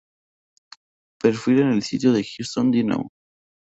Perfil en el sitio de Houston Dynamo